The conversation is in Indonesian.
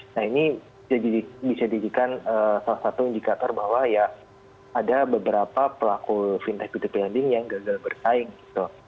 nah ini bisa dijadikan salah satu indikator bahwa ya ada beberapa pelaku fintech p tiga planning yang gagal bersaing gitu